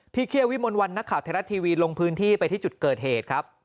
พี่เครียวิมนต์วันนักข่าวเทราะทีวีลงพื้นที่ไปที่จุดเกิดเหตุครับ